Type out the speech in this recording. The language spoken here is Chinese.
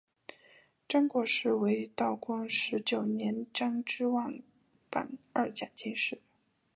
张国士为道光十九年张之万榜二甲进士。